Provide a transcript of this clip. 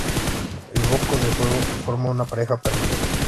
El boca de fuego forma una pareja permanente.